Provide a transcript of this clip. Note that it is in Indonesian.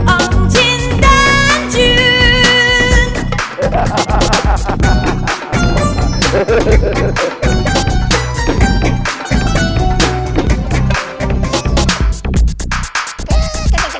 omjin dan jun